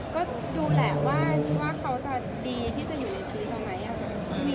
ก็ดูแหละว่าเขาจะดีที่จะอยู่ในชีวิตเราไหม